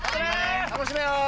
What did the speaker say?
楽しめよ！